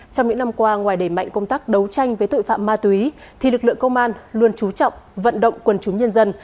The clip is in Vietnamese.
trong những năm qua ngoài đẩy mạnh công tác đấu tranh với tội phạm ma túy thì lực lượng công an luôn trú trọng vận động quân chúng nhân dân